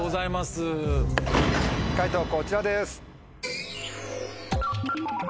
解答こちらです。